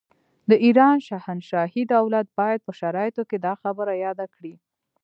د ایران شاهنشاهي دولت باید په شرایطو کې دا خبره یاده کړي.